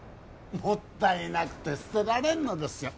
もったいなくて捨てられんのですよ